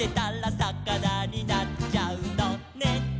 「さかなになっちゃうのね」